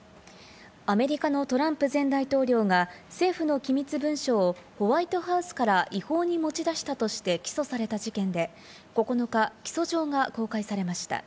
アメリカのトランプ前大統領が政府の機密文書をホワイトハウスから違法に持ち出したとして起訴された事件で、９日、起訴状が公開されました。